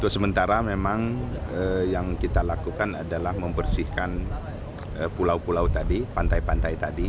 sementara memang yang kita lakukan adalah membersihkan pulau pulau tadi pantai pantai tadi